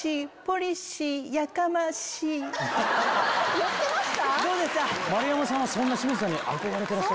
言ってました